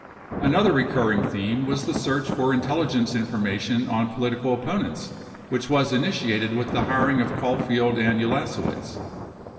Another recurring theme was the search for intelligence informa tion on political opponents which was initiated with the hiring of Caulfield and ITlasewicz.